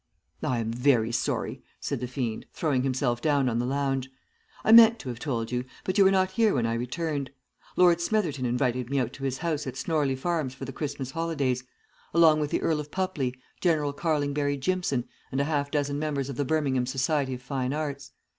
"'I am very sorry,' said the fiend, throwing himself down on the lounge. 'I meant to have told you, but you were not here when I returned. Lord Smitherton invited me out to his house at Snorley Farms for the Christmas holidays along with the Earl of Pupley, General Carlingberry Jimpson, and a half dozen members of the Birmingham Society of Fine Arts.